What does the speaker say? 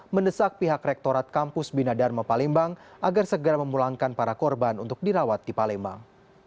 mendesak pihak rektorat kampus bina dharma palembang agar segera memulangkan para korban untuk dirawat di palembang